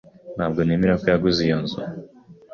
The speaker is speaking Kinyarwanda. Ntabwo nemera ko yaguze iyo nzu